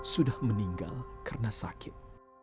sudah meninggal karena sakit